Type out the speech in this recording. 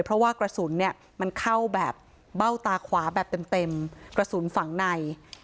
เพราะว่ากระสุนเนี่ยมันเข้าแบบเบ้าตาขวาแบบเต็มกระสุนฝั่งใน